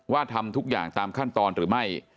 ทำทุกอย่างตามขั้นตอนหรือไม่